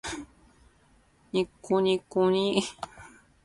にっこにっこにー